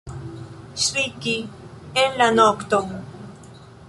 Ŝriki en la nokton!